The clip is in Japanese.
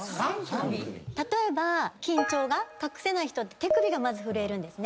緊張が隠せない人って手首がまず震えるんですね。